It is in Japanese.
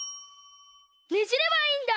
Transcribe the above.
ねじればいいんだ！